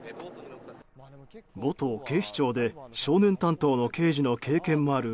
元警視庁で少年担当の刑事の経験もある